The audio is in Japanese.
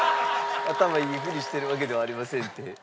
「頭いいふりしてるわけではありません」って。